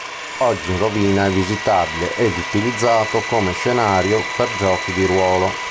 Oggi in rovina, è visitabile ed utilizzato come scenario per giochi di ruolo.